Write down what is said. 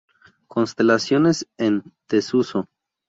Constelaciones en desuso